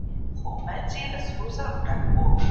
هیلې غوښتل چې په خپله کوټه کې یوازې پاتې شي.